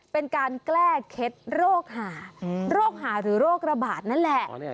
เป็นการแก้เคล็ดโรคหาโรคหาหรือโรคระบาดนั่นแหละ